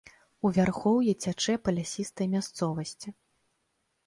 У вярхоўі цячэ па лясістай мясцовасці.